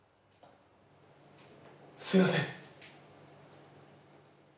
すいません。